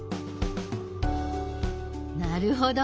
なるほど！